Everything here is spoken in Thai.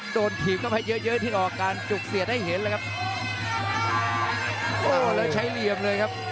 ถีบเข้าไปเยอะเยอะที่ออกการจุกเสียดให้เห็นเลยครับโอ้แล้วใช้เหลี่ยมเลยครับ